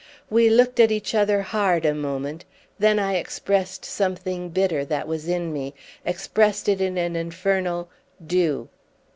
We looked at each other hard a moment; then I expressed something bitter that was in me, expressed it in an infernal "Do!"